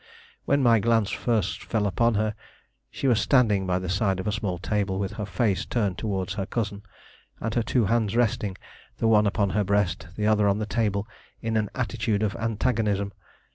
When my glance first fell upon her, she was standing by the side of a small table, with her face turned toward her cousin, and her two hands resting, the one upon her breast, the other on the table, in an attitude of antagonism.